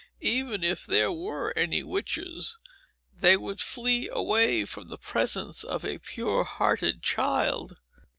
"Even if there were any witches, they would flee away from the presence of a pure hearted child.